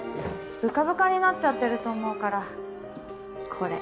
ぶかぶかになっちゃってると思うからこれ。